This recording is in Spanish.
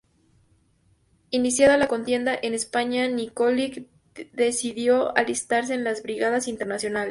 Iniciada la contienda en España, Nikolić decidió alistarse en las Brigadas Internacionales.